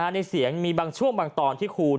ในเสียงมีบางช่วงบางตอนที่ครู